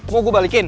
mau gue balikin